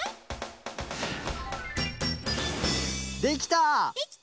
できた？